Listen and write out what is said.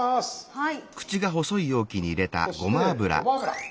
はい。